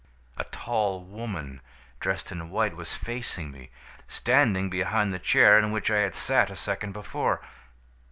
"A tall woman, dressed in white, was facing me, standing behind the chair in which I had sat a second before.